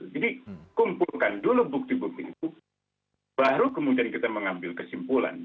jadi kumpulkan dulu bukti bukti itu baru kemudian kita mengambil kesimpulan